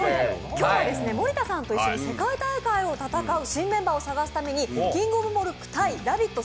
今日は森田さんと一緒に世界大会を戦うメンバーを探すためにキングオブモルック×「ラヴィット！」